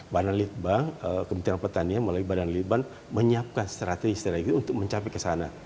badan litbang kementerian pertanian melalui badan litbang menyiapkan strategi strategi untuk mencapai ke sana